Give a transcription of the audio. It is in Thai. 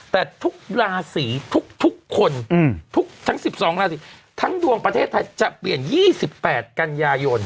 แต่ทุกราศีทุกคนทุกทั้ง๑๒ราศีทั้งดวงประเทศไทยจะเปลี่ยน๒๘กันยายน